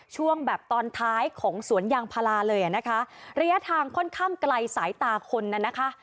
ช่วงแบบตอนท้ายของสวนยางพาราเลยอ่ะนะคะระยะทางค่อนข้างไกลสายตาคนน่ะนะคะ